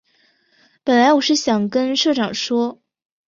本来我是想跟社长说